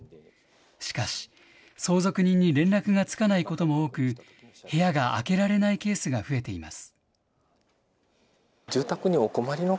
しかし、相続人に連絡がつかないことも多く、部屋が空けられないケースが増えています。